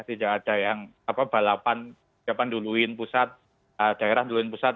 tidak ada yang balapan siapa duluin pusat daerah duluin pusat